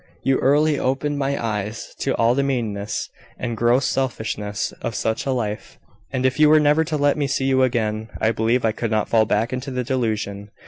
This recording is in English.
You early opened my eyes to all the meanness and gross selfishness of such a life: and if you were never to let me see you again, I believe I could not fall back into the delusion.